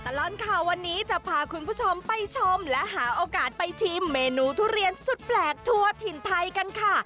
ตลอดข่าววันนี้จะพาคุณผู้ชมไปชมและหาโอกาสไปชิมเมนูทุเรียนสุดแปลกทั่วถิ่นไทยกันค่ะ